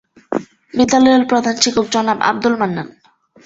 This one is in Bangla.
বিদ্যালয়ের প্রধান শিক্ষক জনাব আব্দুল মান্নান।